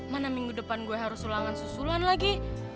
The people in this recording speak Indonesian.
mana minggu depan gue harus ulangan susulan lagi